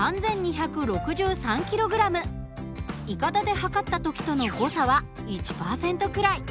いかだで量った時との誤差は１％くらい。